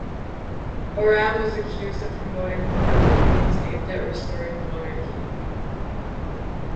Oram was accused of promoting political meetings aimed at restoring the monarchy.